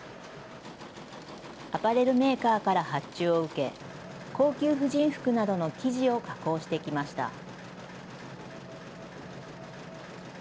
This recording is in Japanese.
アパレルメーカーから発注を受け、高級婦人服などの生地を加工してきました。